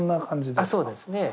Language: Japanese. あそうですね。